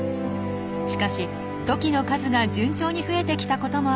しかしトキの数が順調に増えてきたこともあり